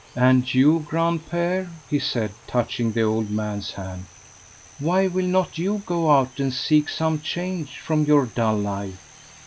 "And you, grandpère," he said, touching the old man's hand; "why will not you go out and seek some change from your dull life?